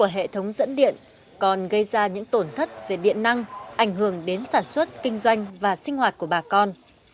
hệ thống dẫn điện còn gây ra những tổn thất về điện năng ảnh hưởng đến sản xuất kinh doanh và sinh hoạt của bà con